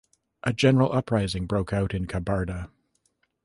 A general uprising broke out in Kabarda.